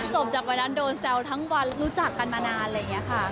จบจากวันนั้นโดนแซวทั้งวันรู้จักกันมานานอะไรอย่างนี้ค่ะ